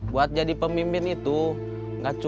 buat jadi pemimpin itu gak cukup